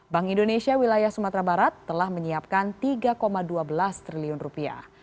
bank indonesia wilayah sumatera barat telah menyiapkan tiga dua belas triliun rupiah